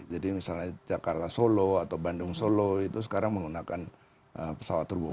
jadi misalnya jakarta solo atau bandung solo itu sekarang menggunakan pesawat turboprop